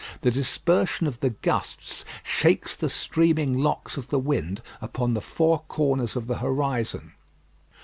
The dispersion of the gusts shakes the streaming locks of the wind upon the four corners of the horizon.